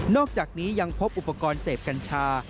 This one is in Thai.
อกจากนี้ยังพบอุปกรณ์เสพกัญชา